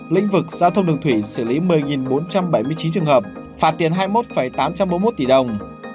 lĩnh vực giao thông đường thủy xử lý một mươi bốn trăm bảy mươi chín trường hợp phạt tiền hai mươi một tám trăm bốn mươi một tỷ đồng